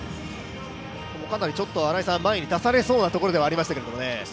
かなり新井さん、前に出されそうなところではありましたけど？